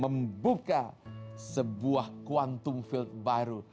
membuka sebuah kuantum field baru